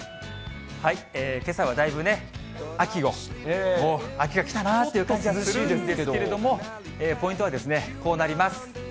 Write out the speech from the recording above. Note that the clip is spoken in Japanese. けさはだいぶね、秋を、もう秋が来たなという感じがするんですけれども、ポイントはですね、こうなります。